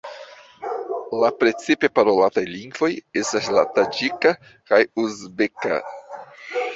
La precipe parolataj lingvoj estas la taĝika kaj uzbeka.